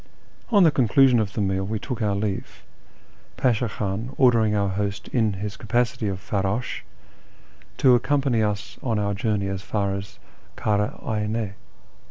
On the conclusion of the meal we took our leave. Pasha Khan ordering our host in his capacity oi farrdsh to accompany us on our journey as far as Kara Ayne.